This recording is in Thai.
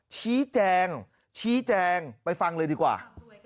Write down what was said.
ชี้แจงไปฟังเลยดีกว่า